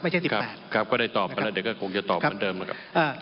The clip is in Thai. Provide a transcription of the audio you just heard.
ครับครับก็ได้ตอบไปแล้วเดี๋ยวก็คงจะตอบเหมือนเดิมนะครับ